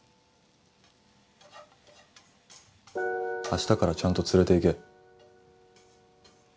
あしたからちゃんと連れていけ。